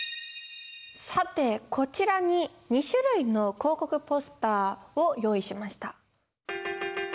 さてこちらに２種類の広告ポスターを用意しました。